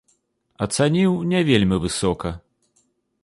Ацаніў не вельмі высока.